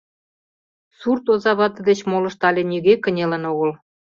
Сурт озавате деч молышт але нигӧ кынелын огыл.